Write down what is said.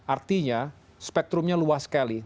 artinya spektrumnya luas sekali